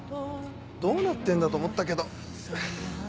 どうなってんだと思ったけど。